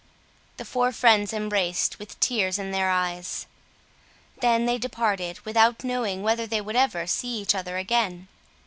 The four friends embraced with tears in their eyes. Then they departed, without knowing whether they would ever see each other again.